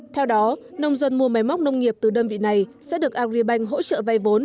theo đó nông dân mua máy móc nông nghiệp từ đơn vị này sẽ được agribank hỗ trợ vay vốn